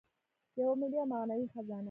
یوه ملي او معنوي خزانه.